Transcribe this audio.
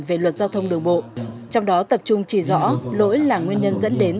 về luật giao thông đường bộ trong đó tập trung chỉ rõ lỗi là nguyên nhân dẫn đến